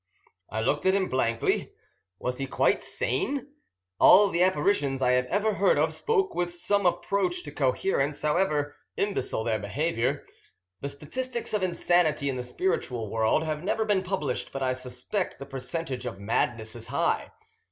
I looked at him blankly. Was he quite sane? All the apparitions I had ever heard of spoke with some approach to coherence, however imbecile their behaviour. The statistics of insanity in the spiritual world have never been published, but I suspect the percentage of madness is high.